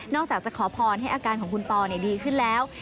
อกจากจะขอพรให้อาการของคุณปอดีขึ้นแล้ว